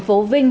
công an tp vinh